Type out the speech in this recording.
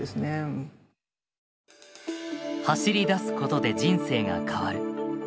走り出すことで人生が変わる。